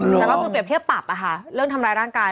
แต่ก็คือเปรียบเทียบปรับเรื่องทำร้ายร่างกาย